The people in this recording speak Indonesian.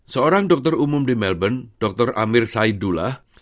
seorang dokter umum di melbourne dr amir saidullah